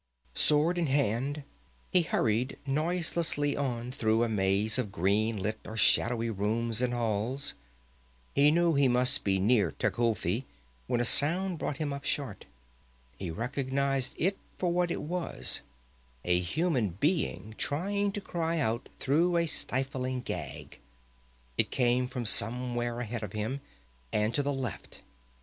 Sword in hand, he hurried noiselessly on through a maze of green lit or shadowy rooms and halls. He knew he must be near Tecuhltli, when a sound brought him up short. He recognized it for what it was a human being trying to cry out through a stifling gag. It came from somewhere ahead of him, and to the left.